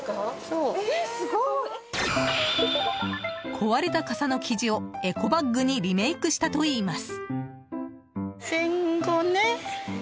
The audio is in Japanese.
壊れた傘の生地をエコバッグにリメイクしたといいます。